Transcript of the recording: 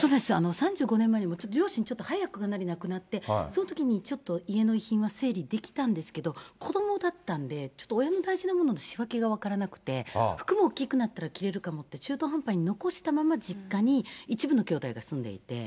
３５年前に両親、ちょっと早く亡くなって、そのときにちょっと、家の遺品は整理できたんですけれども、子どもだったんで、ちょっと親の大事なものの仕分けが分からなくて、服も大きくなったら着れるか持って、中途半端に残したまま実家に一部のきょうだいが住んでいて。